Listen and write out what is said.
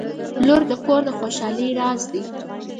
• لور د کور د خوشحالۍ راز دی.